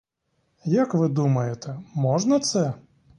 Як ви думаєте, можна це?